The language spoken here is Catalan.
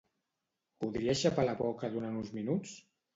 Podries xapar la boca durant uns minuts?